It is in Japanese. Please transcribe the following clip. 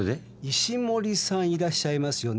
石森さんいらっしゃいますよね？